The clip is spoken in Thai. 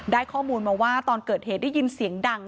ข้อมูลมาว่าตอนเกิดเหตุได้ยินเสียงดัง